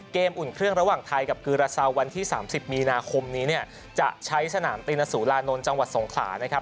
อุ่นเครื่องระหว่างไทยกับกือราซาววันที่๓๐มีนาคมนี้เนี่ยจะใช้สนามตีนสุรานนท์จังหวัดสงขลานะครับ